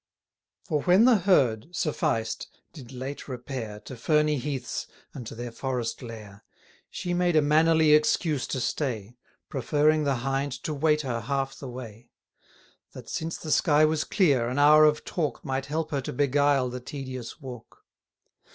For when the herd, sufficed, did late repair, To ferny heaths, and to their forest lair, She made a mannerly excuse to stay, Proffering the Hind to wait her half the way: That, since the sky was clear, an hour of talk Might help her to beguile the tedious walk.